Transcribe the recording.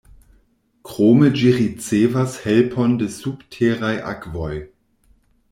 Krome ĝi ricevas helpon de subteraj akvoj.